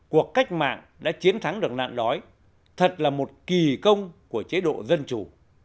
cuộc cách mạng đã chiến thắng được nạn đói thật là một kỳ công của chế độ dân chủ